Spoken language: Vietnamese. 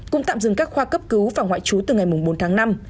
cũng tạm dừng các khoa cấp cứu và ngoại trú từ ngày bốn tháng năm